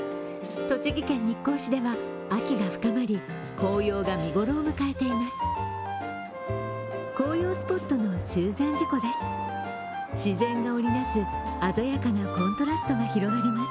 栃木県日光市では秋が深まり、紅葉が見頃を迎えています。